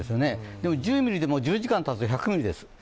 でも、１０ミリですと１０時間たつと１００ミリです。